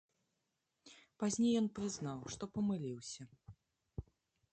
Пазней ён прызнаў, што памыліўся.